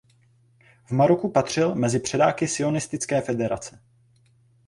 V Maroku patřil mezi předáky sionistické federace.